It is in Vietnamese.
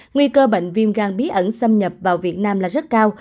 nguy cơ bệnh viêm gan bí ẩn xâm nhập vào việt nam là rất cao